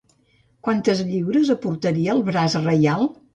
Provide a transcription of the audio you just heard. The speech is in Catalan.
Quantes lliures aportaria el braç reial?